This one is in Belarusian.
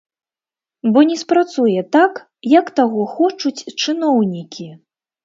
Бо не спрацуе так, як таго хочуць чыноўнікі.